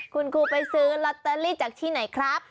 คุณครูไปซื้อลอตเตอรี่จากที่ไหนครับ